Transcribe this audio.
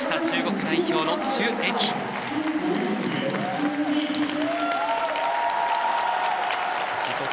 中国代表の朱易。